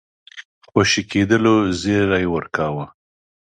خوشي کېدلو زېری ورکاوه.